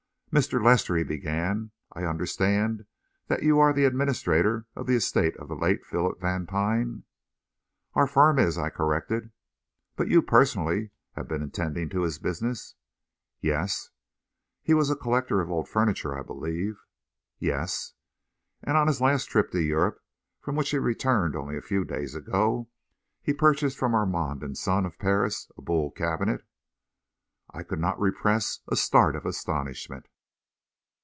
"Mr. Lester," he began, "I understand that you are the administrator of the estate of the late Philip Vantine?" "Our firm is," I corrected. "But you, personally, have been attending to his business?" "Yes." "He was a collector of old furniture, I believe?" "Yes." "And on his last trip to Europe, from which he returned only a few days ago, he purchased of Armand & Son, of Paris, a Boule cabinet?" I could not repress a start of astonishment.